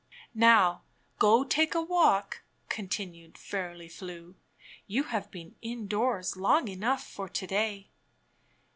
"Now, go take a walk," continued Fairly Flew; "you have been indoors long enough for to day."